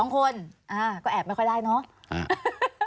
๒คนก็แอบไม่ค่อยได้เนาะ